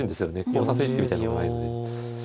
こう指せってみたいなのがないので。